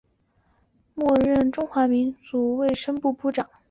末任中华人民共和国卫生部部长。